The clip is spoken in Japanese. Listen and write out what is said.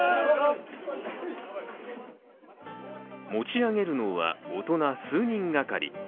持ち上げるのは大人数人がかり。